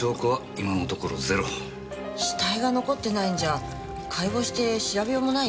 死体が残ってないんじゃ解剖して調べようもないね。